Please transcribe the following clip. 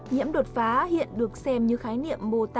nhiễm đột phá hiện được xem như khái niệm mô tả